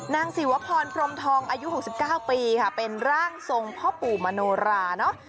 ศิวพรพรมทองอายุ๖๙ปีค่ะเป็นร่างทรงพ่อปู่มโนราเนอะ